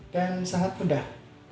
dan sangat mudah